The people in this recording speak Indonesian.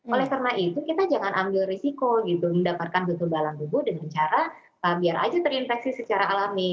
oleh karena itu kita jangan ambil risiko gitu mendapatkan kekebalan tubuh dengan cara biar aja terinfeksi secara alami